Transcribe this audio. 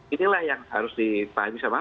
inilah yang harus dipahami sama